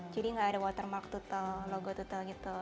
jadi gak ada watermark tutel logo tutel gitu